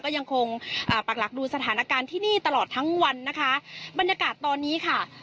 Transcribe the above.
ก็ยังคงอ่าปรักหลักดูสถานการณ์ที่นี่ตลอดทั้งวันนะคะบรรยากาศตอนนี้ค่ะ